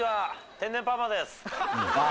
天然パーマです。